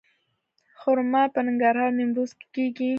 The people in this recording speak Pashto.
خرما په ننګرهار او نیمروز کې کیږي.